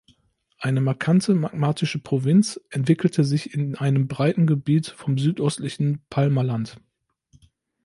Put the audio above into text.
Eine markante magmatische Provinz entwickelte sich in einem breiten Gebiet vom südöstlichen Palmerland.